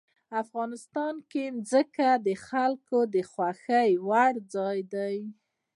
افغانستان کې ځمکه د خلکو د خوښې وړ یو ځای دی.